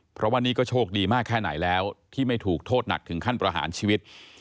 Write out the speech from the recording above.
เพราะว่านี่ก็โชคดีมากแค่ไหนแล้วที่ไม่ถูกโทษหนักถึงขั้นประหารชีวิต